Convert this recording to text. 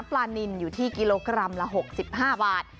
ปลานินอยู่ที่กิโลกรัมละ๖๕บาท